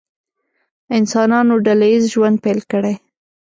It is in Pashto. انسانانو ډله ییز ژوند پیل کړی.